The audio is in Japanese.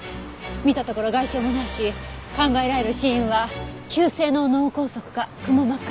見たところ外傷もないし考えられる死因は急性の脳梗塞かくも膜下出血。